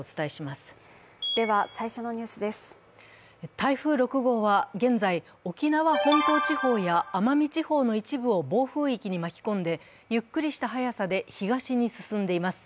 台風６号は現在、沖縄本島地方や奄美地方の一部を暴風域に巻き込んでゆっくりした速さで東に進んでいます。